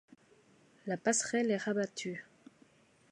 La passerelle est rabattue.